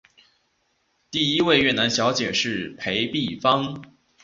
第一位越南小姐是裴碧芳。